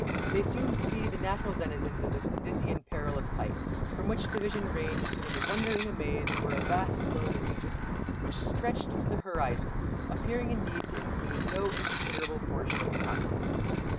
They seemed to be the natural denizens of this dizzy and perilous height, from which the vision ranged, in wondering amaze over a vast lone region, which stretched to the horizon; appearing indeed to include no inconsiderable portion of the continent.